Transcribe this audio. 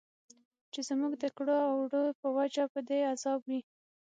چې زموږ د کړو او وړو په وجه به په عذاب وي.